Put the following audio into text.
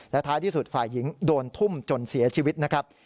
ท้ายที่สุดฝ่ายหญิงโดนทุ่มจนเสียชีวิตนะครับ